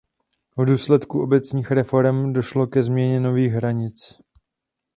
V důsledku obecních reforem došlo ke změně nových hranic.